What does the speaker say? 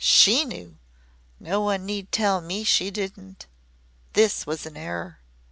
SHE knew. No one need tell me she didn't." But this was an error.